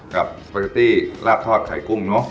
สปาเกตตี้ลาบทอดไข่กุ้งเนอะ